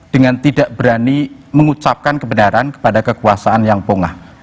dengan tidak berani mengucapkan kebenaran kepada kekuasaan yang pongah